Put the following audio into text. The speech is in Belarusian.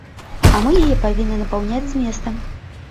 А мы яе павінны напаўняць зместам.